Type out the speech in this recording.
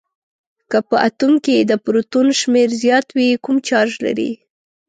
که په اتوم کې د پروتون شمیر زیات وي کوم چارج لري؟